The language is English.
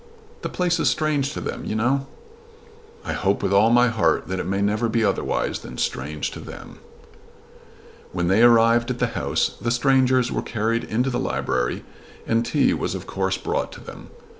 "The place is strange to them, you know." "I hope with all my heart that it may never be otherwise than strange to them." When they arrived at the house the strangers were carried into the library and tea was of course brought to them.